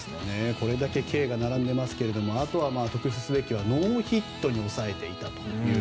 これだけＫが並んでいますがあとは特筆すべきはノーヒットに抑えていたと。